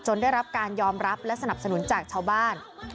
ได้รับการยอมรับและสนับสนุนจากชาวบ้าน